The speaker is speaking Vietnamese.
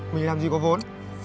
mình làm gì có vốn